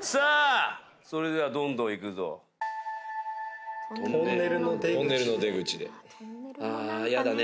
さあそれではどんどんいくぞトンネルも何かねああイヤだね